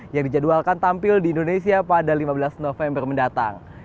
yang dijadwalkan tampil di indonesia pada lima belas november mendatang